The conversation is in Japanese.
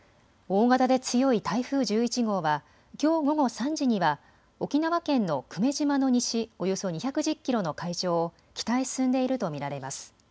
大型で強い台風１１号はきょう午後３時には沖縄県の久米島の西およそ２１０キロの海上を北へ進んでいると見られます。